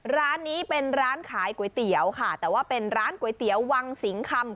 ร้านนี้เป็นร้านขายก๋วยเตี๋ยวค่ะแต่ว่าเป็นร้านก๋วยเตี๋ยววังสิงคำ